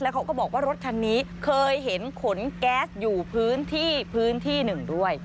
แล้วเขาก็บอกว่ารถชันนี้เคยเห็นขนแก๊สอยู่พื้นที่หนึ่งด้วย